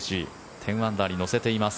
１０アンダーに乗せています。